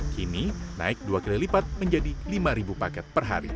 kini naik dua kali lipat menjadi lima paket per hari